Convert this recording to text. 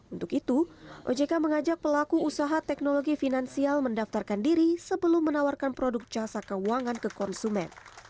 untuk itu ojk mengajak pelaku usaha teknologi finansial mendaftarkan diri sebelum menawarkan produk jasa keuangan ke konsumen